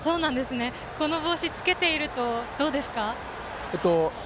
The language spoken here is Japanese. この帽子をつけているとどうですか？